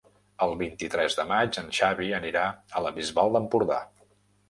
El vint-i-tres de maig en Xavi anirà a la Bisbal d'Empordà.